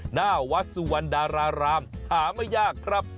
หน้าวัดสุวรรณดารารามหาไม่ยากครับ